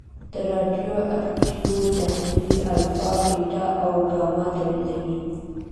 د رادیواکتیو تحلیل الفا، بیټا او ګاما تولیدوي.